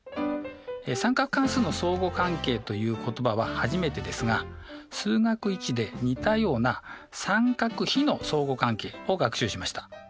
「三角関数の相互関係」という言葉は初めてですが数学Ⅰで似たような「三角比の相互関係」を学習しました。